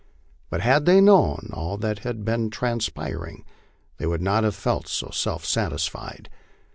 But had they known all that had been trans piring they would not have felt so self satisfied.